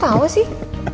kau tau sih